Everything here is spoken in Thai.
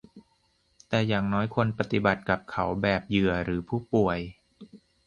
แต่อย่างน้อยควรปฏิบัติกับเขาแบบเหยื่อหรือผู้ป่วย